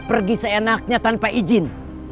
pergi seenaknya tanpa izin